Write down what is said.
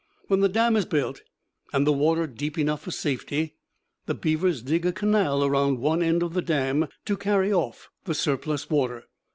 When the dam is built, and the water deep enough for safety, the beavers dig a canal around one end of the dam to carry off the surplus water.